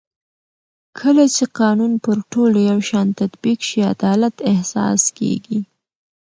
کله چې قانون پر ټولو یو شان تطبیق شي عدالت احساس کېږي